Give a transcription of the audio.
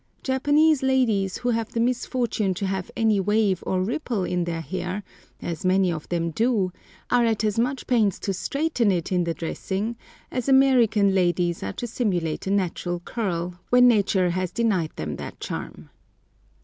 Japanese ladies who have the misfortune to have any wave or ripple in their hair, as many of them do, are at as much pains to straighten it in the dressing as American ladies are to simulate a natural curl, when Nature has denied them that charm.